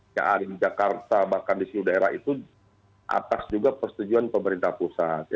serta bahkan di seluruh daerah itu atas juga persetujuan pemerintah pusat